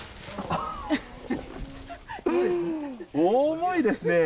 重いですね！